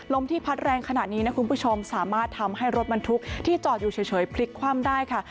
ลมที่พัดแรงขนาดนี้นะคุณผู้ชมสามารถทำให้รถบรรทุกที่จอดอยู่เฉยพลิกคว่ำได้ค่ะ